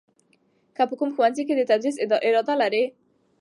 ته په کوم ښوونځي کې د تدریس اراده لرې؟